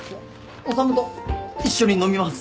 修と一緒に飲みます。